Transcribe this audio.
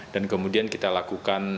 dan kemudian kita lakukan